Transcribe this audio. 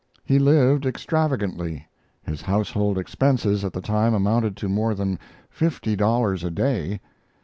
He lived extravagantly. His household expenses at the time amounted to more than fifty dollars a day.